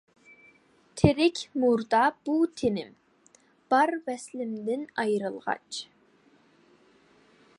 تىرىك مۇردا بۇ تىنىم، بار ۋەسلىمدىن ئايرىلغاچ.